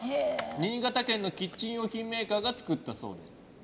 新潟県のキッチン用品メーカーが作ったそうで。